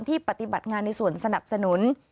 ปฏิบัติงานในส่วนสนับสนุน